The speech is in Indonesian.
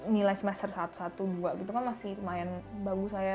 nilai semester satu dua gitu kan masih lumayan bagus lah ya